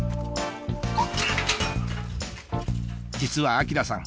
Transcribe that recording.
実は晃さん